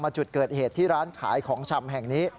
จุดเกิดเหตุที่ร้านขายของชำแห่งนี้